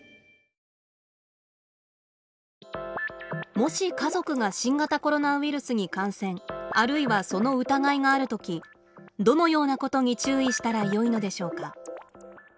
もし家族が新型コロナウイルスに感染あるいはその疑いがある時どのようなことに注意したらよいのでしょうか。